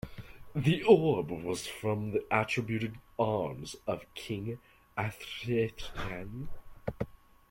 The orb was from the attributed arms of King Athelstan.